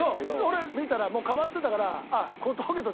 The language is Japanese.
俺見たらもう変わってたから。